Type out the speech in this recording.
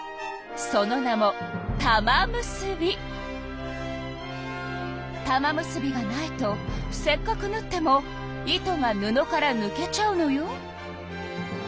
その名も玉結びがないとせっかくぬっても糸が布からぬけちゃうのよ。